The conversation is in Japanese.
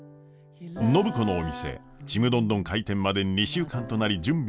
暢子のお店ちむどんどん開店まで２週間となり準備も着々。